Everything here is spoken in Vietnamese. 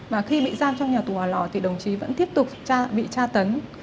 và khi bị giam trong nhà tù hòa lò thì đồng chí vẫn tiếp tục bị tra tấn